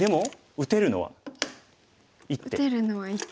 打てるのは１手。